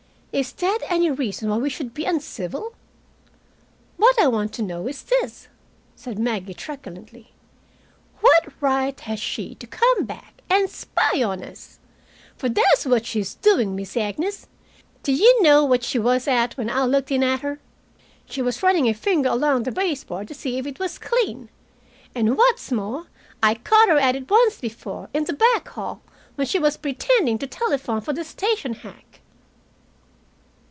"Is that any reason why we should be uncivil?" "What I want to know is this," Maggie said truculently. "What right has she to come back, and spy on us? For that's what she's doing, Miss Agnes. Do you know what she was at when I looked in at her? She was running a finger along the baseboard to see if it was clean! And what's more, I caught her at it once before, in the back hall, when she was pretending to telephone for the station hack."